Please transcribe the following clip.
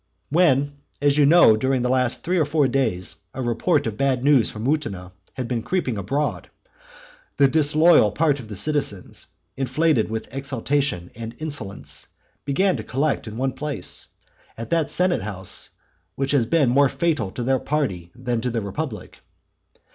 VI. When, as you know, during the last three or four days a report of bad news from Mutina has been creeping abroad, the disloyal part of the citizens, inflated with exultation and insolence, began to collect in one place, at that senate house which has been more fatal to their party than to the republic.